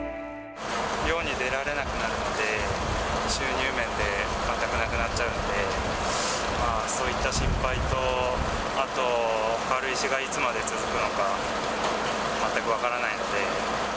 漁に出られなくなるので、収入面で全くなくなっちゃうので、そういった心配と、あと、軽石がいつまで続くのか、全く分からないので。